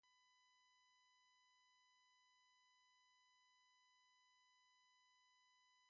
The king may only be referred to under certain high-sounding titles.